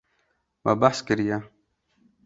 Me behs kiriye.